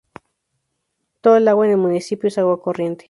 Toda el agua en el municipio es agua corriente.